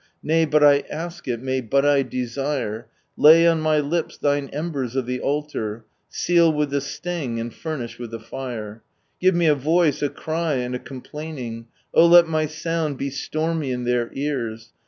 Nay but I ask it, nay bul I desire. Lay Btt my lips Thine embers of the altar. Seal mith the iliHg, and fttmisk vrith thr fire. Give me a vtiet, a ery, and a ctm^buning — Ok III my sound ie stormy in their ears!